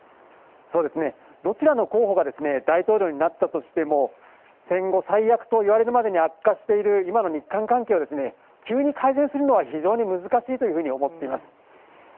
どちらの候補が大統領になったとしても戦後最悪と言われるまでに悪化している今の日韓関係を急に改善するのは非常に難しいというふうに思っています。